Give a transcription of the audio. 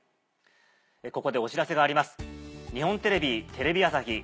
ここでお知らせがあります。